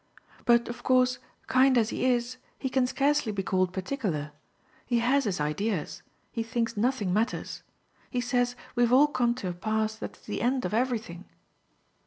"But of course, kind as he is, he can scarcely be called particular. He has his ideas he thinks nothing matters. He says we've all come to a pass that's the end of everything."